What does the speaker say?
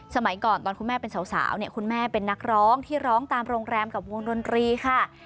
สมัยก่อนตอนคุณแม่เป็นสาวเนี่ยคุณแม่เป็นนักร้องที่ร้องตามโรงแรมกับวงดนตรีค่ะ